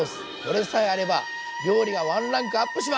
これさえあれば料理がワンランクアップします！